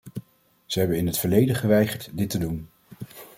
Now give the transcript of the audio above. Ze hebben in het verleden geweigerd dit te doen.